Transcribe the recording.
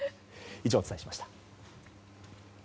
以上、お伝えしました。